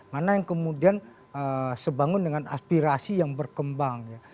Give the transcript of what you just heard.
mana yang kemudian sebangun dengan aspirasi yang berkembang ya